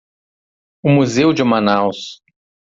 O museu de Manaus.